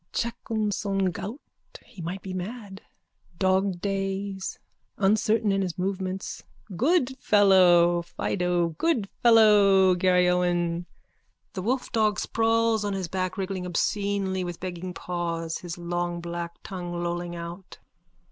Chacun son goût. He might be mad. Dogdays. Uncertain in his movements. Good fellow! Fido! Good fellow! Garryowen! _(The wolfdog sprawls on his back, wriggling obscenely with begging paws, his long black tongue lolling out.)